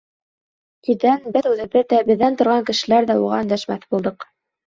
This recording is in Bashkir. Тиҙҙән беҙ үҙебеҙ ҙә, беҙҙә торған кешеләр ҙә уға өндәшмәҫ булдыҡ.